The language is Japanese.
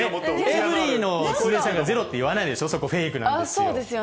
エブリィの鈴江さんが言わないでしょ、そこ、フェイクなんですよ。